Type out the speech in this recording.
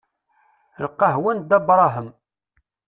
Lqahwa n Dda Brahem.